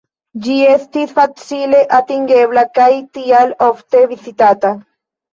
Ĝi estis facile atingebla kaj tial ofte vizitata.